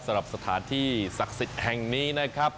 สำหรับสถานที่ศักดิ์สิทธิ์แห่งนี้นะครับ